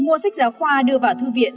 mua sách giáo khoa đưa vào thư viện